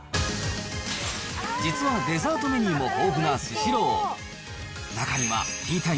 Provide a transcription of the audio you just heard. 実はデザートメニューも豊富なスシロー。